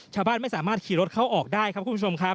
ชาวบ้านไม่สามารถขี่รถเข้าออกได้ครับคุณผู้ชมครับ